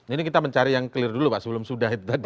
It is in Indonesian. ini kita mencari yang clear dulu pak sebelum sudah itu tadi